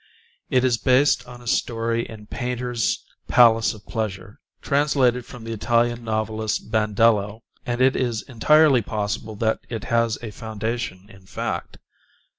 It is based on a story in Painter's "Palace of Pleasure," translated from the Italian novelist, Bandello; and it is entirely possible that it has a foundation in fact.